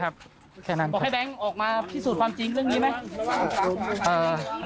แค่นั้นบอกให้แบงค์ออกมาพิสูจน์ความจริงเรื่องนี้ไหม